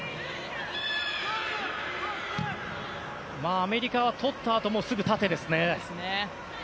アメリカはとったあともすぐ、縦ですね。